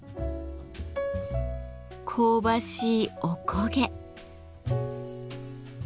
香ばしいおこげ。